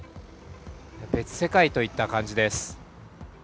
別世界といった感じです。